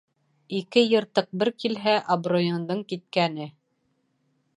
Ике йыртыҡ бер килһә, абруйыңдың киткәне.